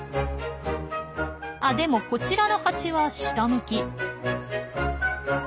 あでもこちらのハチは下向き。